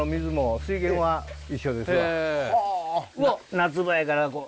夏場やからこう。